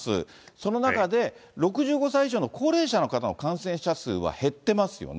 その中で、６５歳以上の高齢者の方の感染者数は減ってますよね。